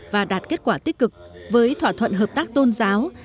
và đạt kết quả tích cực với thỏa thuận hợp tác tôn giáo